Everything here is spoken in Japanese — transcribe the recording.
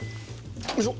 よいしょ。